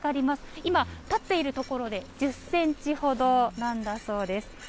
今、立っている所で１０センチほどなんだそうです。